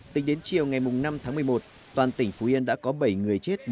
tính đến chiều ngày năm tháng một mươi một toàn tỉnh phú yên đã có bảy người chết